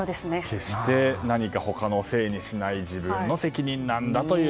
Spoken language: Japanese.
決して何か他のせいにしない自分の責任なんだという。